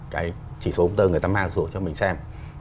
cái chỉ số công tơ người ta mang xuống cho mình xem